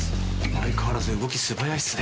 相変わらず動き素早いっすね。